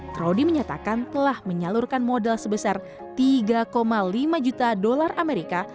trodi menyatakan telah menyalurkan modal sebesar tiga lima juta dolar amerika